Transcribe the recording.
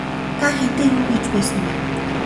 Та хэнтэй юу хийж байсан бэ?